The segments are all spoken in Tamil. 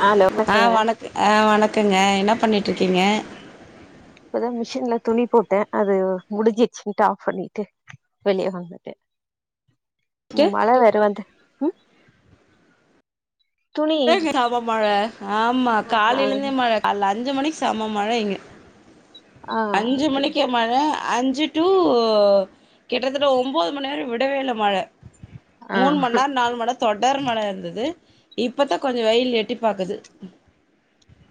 ஹலோ ஆஹ் வணக்கங்க வணக்க ஆஹ் வணக்கங்க என்ன. பண்ணிட்டு இருக்கீங்க. இப்பதா மிஷின்ல துணி போட்டே அது முடிஞ்சிருச்சுன்ட்டு ஆப் பண்ணிட்டு வெளிய வந்துட்டே. ட்டு மழ வேற வந்து உம். [unintelligible] மழ ஆமா ஆ காலைலேந்தே மழ கால்ல அஞ்சு மணிக் செம்ம மழ இங்க ஆ அஞ்சு மணிக்கே மழ அஞ்சு டூ கிட்டத்தட்ட ஒம்போது மண் நேரொ விடவே இல்ல மழ. ஆ மூண் மண் நேரொ நாலு மண் நேரொ தொடர் மழ இருந்துது. இப்பதா கொஞ்சொ வெயில் எட்டி பாக்குது.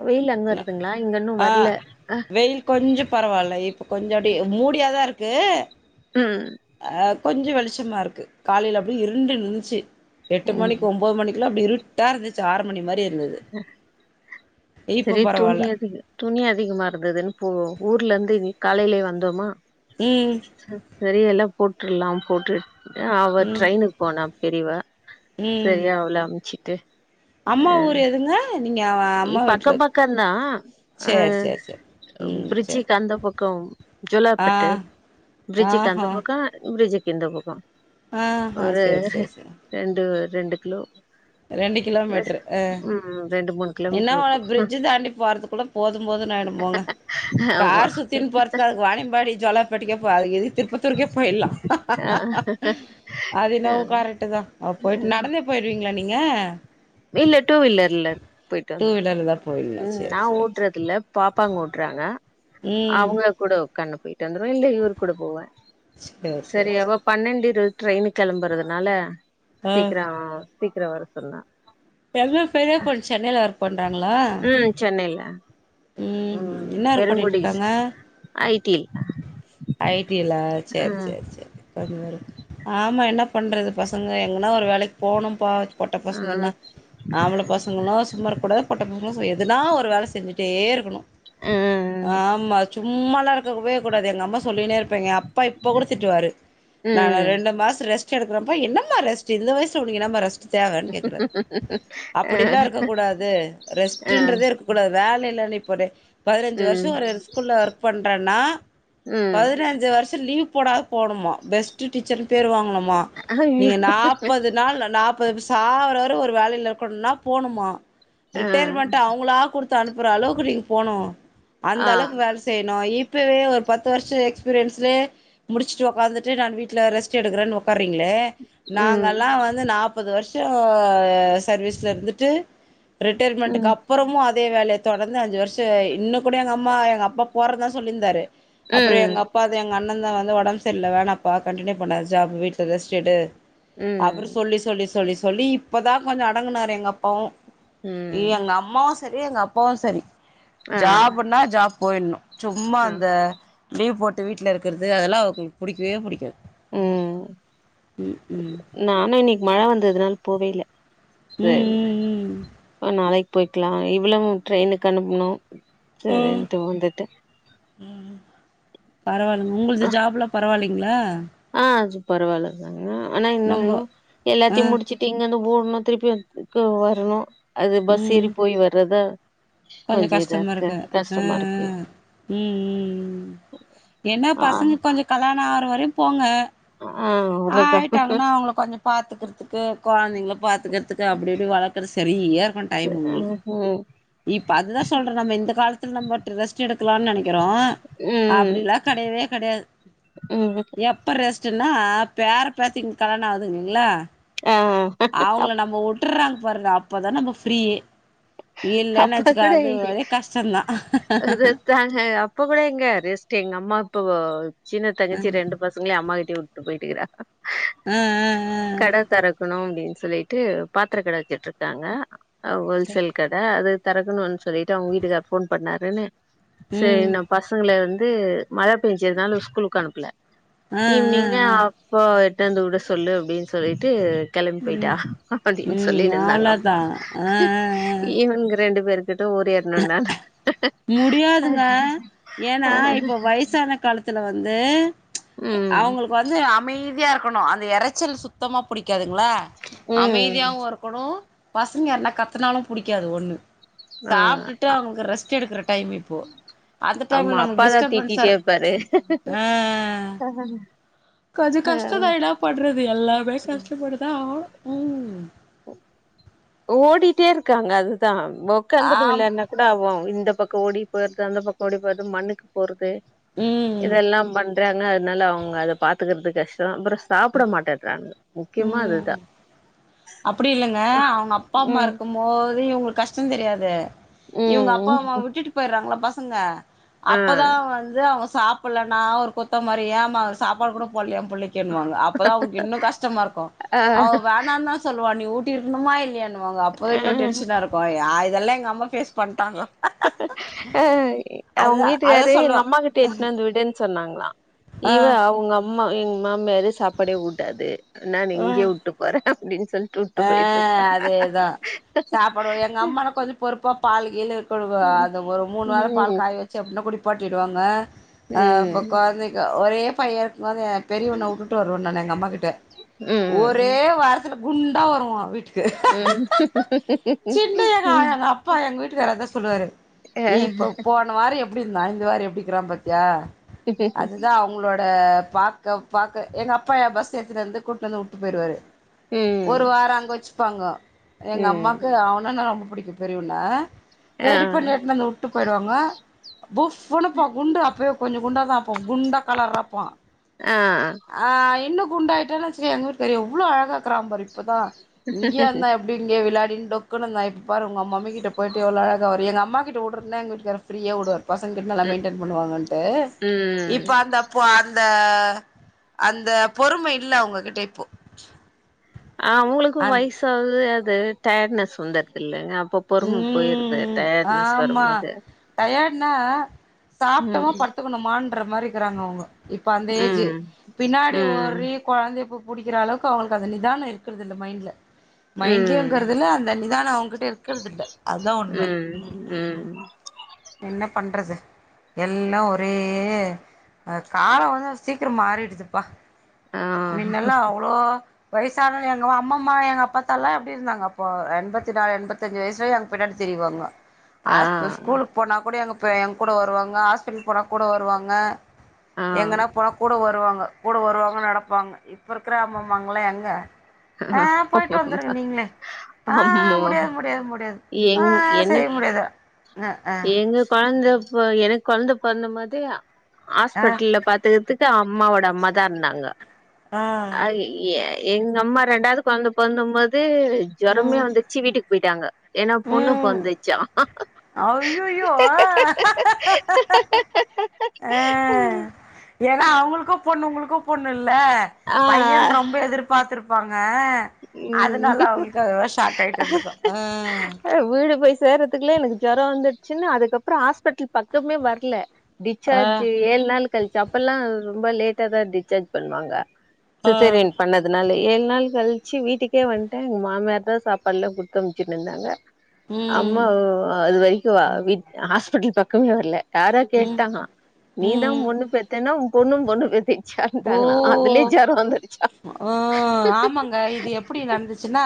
வெயில் அங்க இருக்குங்ளா இங்க இன்னு ஆ வர்ல வெயில் கொஞ்சோ பரவால்ல இப் கொஞ்சப்படியே மூடியாதா இருக் க்கு உம் கொஞ்சொ வெளிச்சமா இருக்கு காலைல அப்டியே இருண்டுட்ருந்துச்சி எட்டு ம் மணிக் ஒம்போது மணிக் ல அப்டி இருட் டா இருந்துச்சி ஆறு மணி மாரி இ ந்துது செரி துணி அதிக துணி அதிகமா இருந்ததுன் போ ஊர்லருந்து வீக் காலைலயே வந்தோமா ம் செரி எல்லா போட்ருல்லா போட்டு ஆ அவ ம் ட்ரெயினுக் போனா பெரியவ ம் சேரி அவ்ள அம்ச்சி ட்டு அம்மா ஊர் எதுங்க நீங்க அ இ அம்மா பக்கொ வீட்ல பக்கந்தா ஆ சேரி சேரி சேரி ம் சேரி பிரிஜிக்கு அந்த பக் கொம் ஜூலா ஆ பட்டு ப்ரிட்ஜுக்கு அந்த ஆஹா பக்கு பிரிட்ஜுக் இந்தப் பக்கொ ஆஹா ஒரு சேரி சேரி சேரி ரெண்டு ரெண்டு கிலோ ரெண்டு கிலோ மீட்ரு ஆ ம் ரெண்டு மூணு என்ன கிலோமீட்டர் இருக்கு பிரிட்ஜு தாண்டி போறதுக்குள்ள போதும் போதுன்னு ஆய்டு போங்க ஆமா கார் சுத்தின் போறதுக்கு அதுக் வாணியம்பாடி ஜோலாபட்டுகே பொ அதுக் எதுக் திருப்பத்தூருக்கே போயில்லா ஆ அது ஆ என்னவோ கரெக்ட்டு தா அவ போயிட்டு நடந்தே போய்ருவீங்களா நீங் ங்க இல்ல டூ வீலர் இல்ல போயிட்டு வந் டூ வீலர்ல தா போவீங்களா உம் சேரி நா சேரி சேரி ஓட்றதில்ல பாப்பாங் ஓட்றாங்க ம் அவங்க கூடோ கண்ணு போய் ட்டு வந்துருவ இல்ல இவர் கூட போவ சேரி சேரி சரியாவா சேரி பன்னெண்டு இருவது ட்ரெய்னுக் கெளம்புறதுனால ஆ சீக்ரொ சீக்றொ வர சொன்னா எங்க பெரிய பொண்ணு சென்னைல ஒர்க் பண்றாங்களா ம் சென்னைல ம் என்ன ஒர்க் பண்ணிட்ருக்காங்க ஐ டி ஐ டி ல சேர் ம் சேர் சே கொஞ்ச ஒர்க் ஆமா என்ன பண்றது பசங்க எங்கனா ஒரு வேலைக் போணும்ப்பா பொட்ட பசங்கனா ம் ஆம்பள பசங்களு சும்மாருக்கூடாது பொட்ட பசங்களு எதுனா ஒரு வேல செ டே இருக்கணு ம் ஆமா சும்மாலா இருக்கவே கூடாது எங்க அம்மா சொல்லினே இருப்பாங்க ஏ அப்பா இப்பக் கூட திட்டுவாரு நா ம் ரெண்டு மாசொ ரெஸ் ட் எடுக்குறம்ப்பா என்னமா ரெஸ்ட்டு இந்த வயசுல உனக்கென்னமா ரெஸ்ட் தேவன் கேக்குறார் ஆ அப்டில்லா இருக்கக் கூடாது ஆ ரெஸ்ட்டுன்றதே இருக்கக் கூடாது வேல [unintelligible] பதினஞ்சு ம் வர்ஷொ ஒரு ஸ்கூல்ல ஒர்க் பண்றன்னா ம் பதினஞ்சு வர்ஷொ லீவ் போடாத் போடுமா பெஸ்ட்டு டீச்சர்னு பேரு வாங்கனும் மா ஐயோ நீங்க நாப்பது நாள் ந நாப் பது சாவுற வர ஒரு வேலையில இருக்கணுன்னா போணுமா ஆ ரிட்டைர்மெண்ட்டு அவுங்களா குடு த்து அனுப் புற அளவுக்கு நீங்க போணு ஆ அந்தளவுக்கு வேல செய்ணு இப் இப்பவே ஒரு பத்து வர்ஷொ எக்ஸ்பீரியன்லே முடிச்சுட்டு ஒக்காந்துட்டு நானு வீட்ல ரெஸ்ட் எடுக்குறன் ஒக்கார ரீங்ளே ம் நாங்கல்லா வந்து நாப் பது வர்ஷொ சர்வீஸ்ல இருந்துட்டு ம் ரிட்டைர்மெண்ட்டுக்கப்பறமு அ தே வேல தொடர்ந்து அஞ்சு வர்ஷ இன்னு கூட எங்க அம்மா எங்க அப்பா போறன்தா சொல்லிந்தாரு அப்பறொ எங்க ம் அப்பாதா எ ங்க அண்ணந்தா வந்து ஒடம் சரியில்ல வேணாம்ப்பா கண்ட்டினியூ பண்ணாத ஜாபு வீட்ல ரெஸ்டெடு அப்றொ ம் சொல்லி சொல்லி சொல்லிஸ் சொல்லி இப்பதா கொஞ்சொ அடங்குனாரு எங்க அப்பாவு ஏ ம் அங்க அம்மா செரி எங் போ செரி ஆ ஜாப்ன்னா ஜாப் போயிட்ணு சும்மா ஆ அந்த லீவ் போட் ந்த வீட்ல இருக்கிற்து அதெல்லாவ் ம் புடிக்வே புடிக்காது உம் ம் ம் நானு இனி மழ வந்ததுனால போவே இல்ல ம் செரி ம் அ நாளை போயிக்லா இவளவு ட்ரெயின்னுக்கு அனுப்புனோ ம் ம் செரின் [unintelligible] பரவாலங்க உங்குள்து ஜாப்லா பரவாலி ங்ளா ஆ பரவாலங்க ஆனா இன்ன ரொம்ப ஒன்னு ஆ எல்லாத்தியு முடிச்சுட்டு இங்கெந்து ஓ ம்மா திருப்பி [inaudible] வர்னோ அது ம் பஸ் ம் ஏறி போய் வரதா கொஞ்சோ கஷ்டமாருக்கு ஆ இருக்கு ஆ உம் உம் என்ன ஆ பசங்க கொஞ்சோ கல்லாண அ னவரையு போங்க ஆ அவ்ளோதான் ஆயிட்டாங்க அவுங்குள கொஞ்சொ பாத்துக்கிற்துக்கு கொழந்தைங்கள பாத்துக்கிற்துக்கு அப்டி இப்டி வளக்கிற்து செரியா இருக்கோ டைம் உங்குளுக்கு ம்ஹ்ம் இப்ப அதுதா சொல்ற நம்ம இந்த காலத்துல நம்பட்ட ரெஸ்ட் எடுக்கலான்னு நெனக்கிறோ ம் அப்டில்லா கடையவே கடையாது ம் எப்ப ரெஸ்ட்டு னா பேர பேத்திங்ளுக்கு கல்யாண ஆவுதுங்ளா ஆ அவுங்ள அப் நம்போ உட்டுர்றாங் வர்ற அப்பதா நம்ப ஃப்ரீயே அப்ப ஈல்லனத் அப்பா கூட எங்க ரெஸ்ட்டே எங்கம்மா இப்ப வ சின்ன தங்கச்சி ரெண்டு பசங்ளையு அம்மா கிட் தியு உட்டு போயிட்டுகிறா ஆ ஆ ஆ கட தெறக்கணு அப்டின்னு சொல்லிட்டு பாத்தர கட வச்சுட்டுருக்காங்க அ ஹோல்ஸேல் க ஆ அது தெறக்கணுன் சொலிட்டு அவுங்க வீட்டுக்கா ஃபோன் பண்ணாருன்னு சே ம் நா பசங்ள வந் து மழ பேஞ்சனால ஸ்கூலுக்கு அனுப்ல ஆ ஆ ஈவினிங்க ஆ அப்போ டந்து உட சொல்லு அப்டீன் சொல்லிட்டு கெளம் போயிட்டா ம் அப்படீன் சொல்லி ம் நின்னாங்க அம்மா அவ்ளோதா ஆ ஆ ஆ இங்க ரெண்டு பேருக் துட்ட ஓரியாட்னுன்டா முடியாதுங்க ஏனா இப்ப வய்சான காலத்து ல வந்து ம் அவங்களுக்கு வந்து அமை தியா இருக்கணு அந்த எரச்சல் சுத்தமா புடிக்காது ங்ளா ம் அமைதியாவுருக்கணு பசங்க என்ன கத்துனாலும் புடிக்காது ஒண்ணு ஆ சாப்ட்டுட்டு அவங்க ரெஸ்ட் எடுக்கிற டைம் இப்போ அந்த ஆமா டைம்ல நமக்கு அப்பாதான் டிஸ்டர்பன்ஸா திட்டிட்டேப்பாரு இருக்கு கொஞ்சம் கஷ்டதா இன்னா பண்றது எல்லாம் [unintelligible] [inaudible] ம் ஓ ஓடிட்டே இருக்காங்க அதுதான் உட்க்காந்துட்டு ஆம் விளையான் கூட [unintelligible] இந்த பக்கம் ஓடி போயறது அந்த பக்கம் ஓடி போறது மண்ணுக்கு போறது ம் இதெல்லாம் பண் ரறாங்கா அதனால அவங்க அதை பாத்துக்கறது கஷ்டம் அப்புறம் சாப்ட மாட்டேடுறாங்க ம் அப்படி இல்லைங்க அவங்க அப்பா அம்மா ம் இருக்கும்போதே இவங்களுக்கு கஷ்டம் தெரியாது இவங்க அப்பா ம் அம்மா விட்டுட்டு போயறாங்களா பஸ் [unintelligible] ஆ அப்பதான் வந்து அவங்க சாப் ள்ளனா ஒரு கொத்த மாரி ஏ ஆமா சாப்பாடு கூட போட்லையா எ பிள்ளைக்குுவங்க அப்பதான் அவங்களுக்கு இன்னும் கஷ் டமா இருக்கும் ஆ அவ வேணான் தான் சொல்லுவான் நீ ஊட் டிறனுமா இல்லையா ன்னுவாங்க அப்போதான் இன்னும் டன்ஷனா இருக்கும் யா இதெல்லாம் எங்க அம்மா ஃபேஸ் பண்ட்டாங்க அஹ் அத அவுங்க அத வீட்டுக்கரு எங்க சொல்லுவா அம்மா கிட்ட எட்டுன வந்து விடுன்னு சொன்னாங்க லா ஈவ ஆஹ் ஒங்க அம்மா எங்க மாமியாரு சாப்பாடே ஊட்டாது நான் இங்கயே விட்டு போறேன் அப்படின்னு சொல்லி அஹ் அதேதான் சாப்டுவோம் எங்க அம்மான கொஞ்சம் பொறுப்பா பாலு கீலு [unintelligible] ம் அது ஒரு மூணு வேள பால் ம் காய் வச்சு அப்படின்னா குடிபாட் ட்டிடுவாங்க ஆ இப்ப ம் கொழந்தைக்கு ஒரே பயர் வார் பெரியவன்ன வுட்டுட்டு வருவ எங்க அம்மா கிட்ட ம் ஒரே வாரத்துல குண்டா வருவா வீட்டுக்கு ம் சின்ன யானை அப்பா எங்க வீட்டுக்காரு அதா சொல்லுவாரு ஆ இப்ப போன மாரி எப்படி இருந்தான் இந்தவாரு எப்படிக்கிறா பாத்தியா அதுதா அவங்களோட பாக்க பாக்க எங்க அப்பா பஸ் ஏத்திடந்து கூட்டுனு வந்து வுட்டு போயிடுவாரு ஒரு ம் வார அங்க வச்சுப்பாங்க எங்க ம் அம்மாக்கு அவனனா ரொம்ப புடிக்கு பெரியவனா ஆ ரெடி பண்ண இட்டுனு வந்து வுட்டு போயிடுவாங்க புஃனு குண்டு அப்பய கொஞ்ச குண்டாதா குண்டா கலாரப்பா ஆ ஆ இன்னும் குண்டாயிட்டணு வச்சிக்க எங்க வீட்டுக்காரு எவ்ளோ அழகா இருக்றான் பாரு இப்பதா இங்கய இருந்தா எப்டி இங்கே விளாயாடி டி டோக்குனு இருந்தான் இப்ப பாரு உங்க மம்மி கிட்ட போய்ட்டு எவ்ளோ அழகா வரு எங்க அம்மாகிட்ட வுடறதுனா எங்க வீட்டுகாரர் ஃபிரியா வுடுவாரு பசங்க கிட்டல்லா ம் மெயின்டன் பண்ணுவாங்கடுனு ம் இப்ப அந்தப்ப அந்த அந்த அந்த பொறும இல்ல அவுங்ககிட்ட இப்போ அவுங்களுக்கு அன் வய்சாவுது து டயனஸ் வந்த்ர்து இல்லங்க அப்ப பொறும போயிருது ம் டயட்னஸ் வரும்போது ன ம் சாப்டமா படுத்துக்கணுமான் பட்ற மாரி இருக்கிறாங்க அவுங்க இப்ப அந்த ஏஜ் ம் பின்னாடி ம் ஒரு கொழந்தைய கூப் முடிக்கிற அளவுக்கு அவுங்களுக்கு அந்த நிதான இருக்றது இல்ல மைண்ட்ல மைண்ட்லயுங்கிறது ம் இல்ல அந்த நிதானோ அவுங்ககிட்ட இருக் இருக்கறதுல்ல அதா உண்ம ம் ம் என்ன பண்றது எல்லா ஒரே காலோ வந்து சீக்கிரோ மாறிடுதுப்பா ஆ மின்னல்லா அவ்ளோ வயசானவங்க எங்க அம்மா அம்மம்மா எங்க அப்பத்தால எப்டி இருந்தாங்கப்போ எண்பத்திநாலு என்பத்தஞ்சி வயசுலேயே எங்க பின்னாடி திரிவாங்க ஆ ஆஸ் பஸ் ஸ்கூல்க் போனா கூட எங்க எங்க கூட வருவாங்க ஹாஸ்பிட்டல் போனா கூட வருவாங்க ஆ எங்கனா போவ்க்கூட ஒரு வருவாங்க கூட வருவாங்க நடப்பாங்க இப்ப இருக்கற அம்மம்மாங்கல்லா எங்க ஆஹ் போயிட்டு வந்துருங்க ஆஹ ஆ போய்ட்டு வந்துருங்க நீங்களே ஆ ஆமா முடியாது முடியாது முடியாது எங் ஆ செய்ய எனக் முடியாது ஆ எங்க [unintelligible] கொழந்த ப எனக்கு கொழந்த பொறந்த மோது ஆ ஆ ஹாஸ்பெட்டுல்ல பாத்துக்கிறதுக் இப்ப அம்மாவோட அம்மா தா இருந்தாங்க ஆ அய்யே எங்கம்மா ரெண்டாது கொழந்த பொறந்தம்போது கு ஜொரமே ம் வந்துருச்சு வீட்டுக்கு புயிட்டாங்க என்னா பொண்ணு ம் பொறந்துருச்சா அய்யய்யோ ஆ ஆ ஏனா உங்ளுக்கு பொண்ணு உங்களுக்கு பொண்ணு இல் ல ஆ பயென் ரொம்ப எதிர்பார்த்திருப் போங்க ஆஹ் ம் அதுனால அவங்களுக்கு ஷாக் ஆயிட்டுருந்துருக்கு உஹம் சேர்றதுக்குல்ல எனக்கு ஜொரம் வந்துருச்சுனு அதுக்கப்புறம் ஹாஸ்பிட்டல் பக்கமே வரல ஆ டிச்சார்ஜ் ஏழு நாள் கழிச்சு அப்பெல்லா ரொம்ப லேட்டா தா டிச்சார்ஜ் பண்ணுவாங்க ஆ சிசேரியன் பண்ணதுனாலே ஏல் நாள் கல் ச்சு வீட்டுக்கே வண்ட எங்க மாமியார் தா சாப்பாடுலா குடுத்தமிச்சிருந்தாங்க ம் அம்மா அது வை ஹாஸ்பட்லு பக்கமே வரல டயாரா ம் கேட்டாங்க நீதா ம் ஒண்ணு பத்தேன்னா பொண்ணும் பொண்ணு சேங்டாங்களா அதுலே ஜொரம் வந்துருச்சா ம் ஆமாங்க இது எப்பிடி நடந்துச்சுன்னா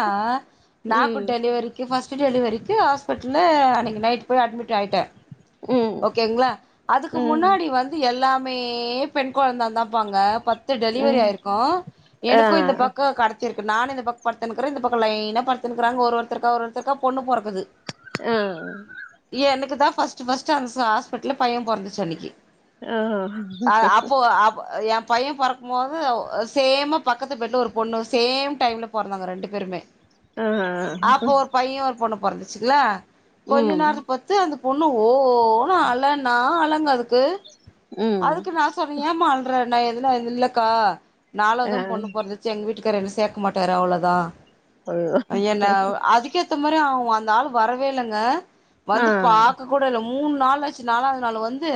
நாக்கு ம் டெலிவரிக்கி பஸ்ட்டு டெலிவரிக்கு ஹாஸ்பிட்டல்ல நைட் போயிட்டு அட்மிட் ஆயிட்ட ம் ஓக்கேங்குளா அதுக்கு ம் முன்னாடி வந்து எல்லா மே பெண் கொழந்ததாப்பா அங்க பத் து டெலிவரி ம் ஆயிருக்கு ஆ எனக்கு இந்த பக்கோ கடத் த்தி இருக்கு நானு இந்த பக் படுத்துன்கிறே இந்த பக்க லைன்னா படுத்துன்கிறாங்க ஒரு ஒருத்துருக்கா ஒரு ஒருத்துருக்கா பொண்ணு போறக்குது அஹம் பஸ்ட்டு பஸ்ட்டு அந் சா ஹாஸ்பிட்டில்ல பைய பொறந்துச்சு அன்னிக்கு அஹா ஏ பைய பொறக்கும்போது சேமா பக்கத்து பெட்டுல்ல ஒரு பொண்ணு சேம் டைம்ல பொறந்தாங்க ரெண்டு பேருமே ஆ அப்போ ஒரு பைய ஒரு பொண்ணு பொறந்துச்சுங்குளா கொஞ்சு ம் நேர பொத்து அந்துப் பொண்ணு ஓ ஓன்னு அழ நா அழ ங்க அதுக்கு ம் அதுக்கு நா சொன்ன ஏம்மா அழ்ற நா எதுனா இது இல்லக்கா ஆ நாலாதும் பொண்ணு பொறதுச்சு எங்கு வீட்டுக்காரு என்ன சேத் இருக்குமாட்டாரு அவ்வுளோதா ஐயோ ஐய நாவ் அதுக்கேத்த மாரி அவுங்க அத் அந்த ஆளு வரவேல்லங்க ஆ வந்து பாக்க கூட இல்ல மூண் நாள்லாச்சு நாலாவது நாள் வந்து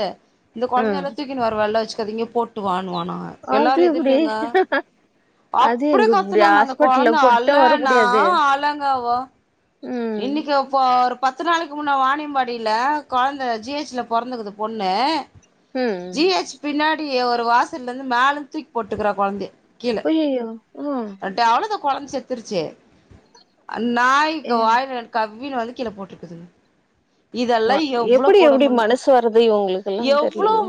இந்த ஆ கொழந்தியெல்லா தூக்கின்னு வராவேல்லா வெச்சு அது இங்க போட்டு வாணுவான் ஆங்க அது எல்லாரு எப்டி எதில் இங்கங்க அது அப்டி எங்க இப்டி கத்துனாங்க அந்த ஹாஸ்பிட்டல்ல கொழந்த போட்டா வர அழனா முடியாது அழங்கவோ ம் இன்னிக்கி இப்போ ஒரு பத்து நாளைக்கு முன்ன வாணியம்பாடியில கொழந்த ஜி ஹெச் ல பொறந்துக்குது பொண்ணு உம் டி ஒரு வாசல்லந்து மேல தூக்கி போட்டுக்றா கொழந்தைய ஒய்யையோ ஆஹ் கொழந் செத்துருச்சி அந் நாய் எ வாய்லக்கவ் மீனு வந்து கீழ போட்ருக்குதுங்க வ எப்டி எப்டி மனசு வருது இவங்களுக்கெல்லான் தெர்லையே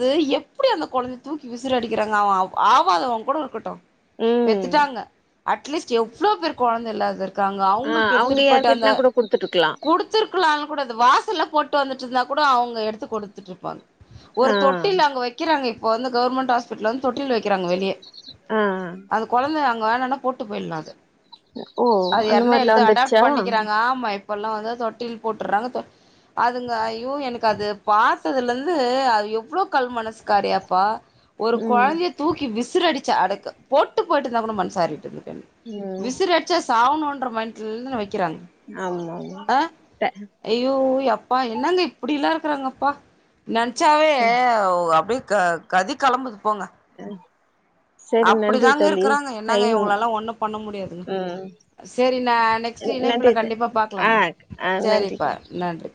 து எப்டி அந்த குழந்த தூக்கி விசிற அடிக்கிறாங்க அவ அவ் ஆவாதவங் கூட இருக்கட்டு ம் பெத்துட்டாங்க அட்லீஸ்ட் எவ்ளோ பேர் குழந்த இல்லாதுருக் க்காங்க ஆ அவங்ளுக் அவங்க திருப் பொயிட்டந்த யார்கிட்டனா கூட குடுத்துட்டு இருக்கலாம் குடுத்துருக்கலால் கூட து வாசல்ல போட்டு வந்துட்டு இருந்தா கூட அவங்க எடுத்து கொடுத்துட்டு இருப்பாங்க. ஆ ஒரு தொட்டில்ல அங்க வைக்கிறாங்க. அப்ப வந்து கவர்மென்ட் ஹாஸ்பிட்டல் வந்து தொட்டில்ல வைக்கிறாங்க வெளிய. அ ஹா. ங்க வேணானா போட்டு போயிடலா அத. ஓ அது அந்த யாருன்னா மாதிரிலா. எடுத்து அடாப்ட் பண்ணிக்கிறாங்க ஆமா. இப்பல்லாம் வந்து தொட்டில் போட்டுறாங்க அதுங்க ஐயோ எனக்கு அது பார்த்ததுல இருந்து அது எவ்வளோ கல் மனசுக்காரியாப்பா. ஒரு ம் குழந்தைய தூக்கி விஸ் விசிறு அடிச்சா அடக்கு போட்டு போயிட்டு இருந்தால் கூட மனசாரிட்டுங்க ம் விசிறியடுச்சா சாவனோ. [unintelligible] இதுல வை. கிறாங்க ஆமா ஆமா அஹ ட ஐயோ எப் அப்பா என்னங்க இப்படி எல்லா இருக்கறாங்க அப்பா நினைச்சாவே அ ஓ அப்படி கதி களம்புது போங்க உம் அப்படிதாங்க இருக்கறாங்க என்னங்க டைம் இவங்களல்லா ஒண்ணும் பண்ண முடியாதுங்க. ம் சேரி நான் நெக்ஸ்ட் இணைப்புல நன்றி த கண்டிப்பா ஆ பாக்கலாமா ஆ நன்றி செரிப்பா நன்றி.